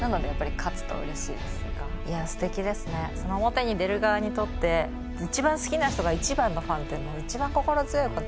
表に出る側にとって一番好きな人が一番のファンっていうの一番心強いことだな。